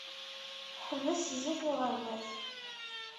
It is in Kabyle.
Ḥbes sdat uɣerbaz.